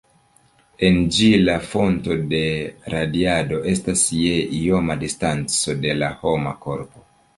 En ĝi la fonto de radiado estas je ioma distanco de la homa korpo.